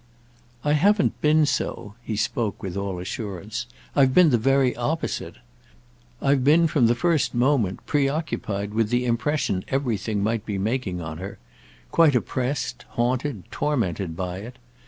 "I haven't been so"—he spoke with all assurance. "I've been the very opposite. I've been, from the first moment, preoccupied with the impression everything might be making on her—quite oppressed, haunted, tormented by it.